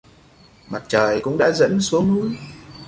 Mặt trời cũng đã dẫn xuống núi